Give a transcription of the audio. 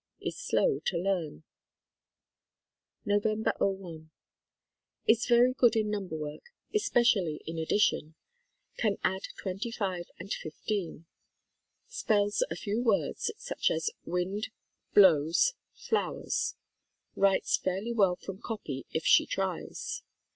Is slow to learn. Nov. 'oi. Is very good in number work, espe cially in addition. Can add 25 and 15. Spells a few words, such as "wind," "blows," "flowers." Writes fairly well from copy if she tries.